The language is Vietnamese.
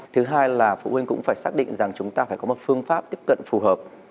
thứ hai là phụ huynh cũng phải xác định rằng chúng ta phải có một phương pháp tiếp cận phù hợp